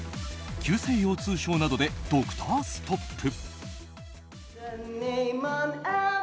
急性腰痛症などでドクターストップ。